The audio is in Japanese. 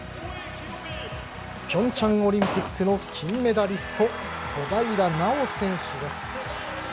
ピョンチャンオリンピックの金メダリスト、小平奈緒選手です。